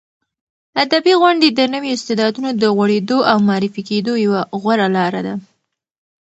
ادبي غونډې د نویو استعدادونو د غوړېدو او معرفي کېدو یوه غوره لاره ده.